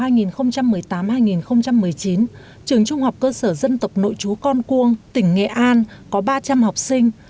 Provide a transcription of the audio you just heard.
năm học hai nghìn một mươi tám hai nghìn một mươi chín trường trung học cơ sở dân tộc nội chú con cuông tỉnh nghệ an có ba trăm linh học sinh